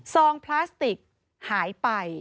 ซองพลาสติกหายไป